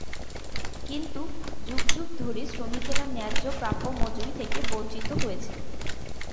কিন্তু যুগ যুগ ধরে শ্রমিকেরা ন্যায্য প্রাপ্য মজুরি থেকে বঞ্চিত হয়েছেন।